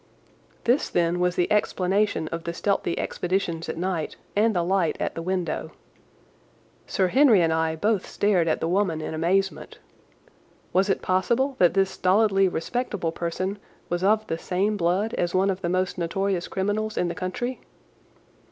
This, then, was the explanation of the stealthy expeditions at night and the light at the window. Sir Henry and I both stared at the woman in amazement. Was it possible that this stolidly respectable person was of the same blood as one of the most notorious criminals in the country?